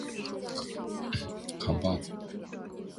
扛把子